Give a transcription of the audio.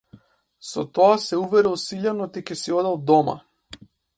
Со тоа се уверил Силјан оти ќе си одел дома.